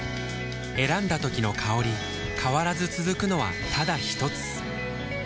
選んだ時の香り変わらず続くのはただひとつ？